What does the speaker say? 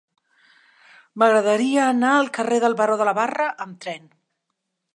M'agradaria anar al carrer del Baró de la Barre amb tren.